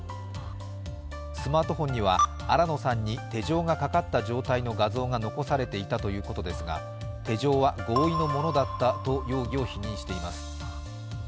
スマートフォンには新野さんに手錠がかかった状態の画像が残されていましたが手錠は合意のものだったと容疑を否認しています。